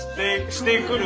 してくる？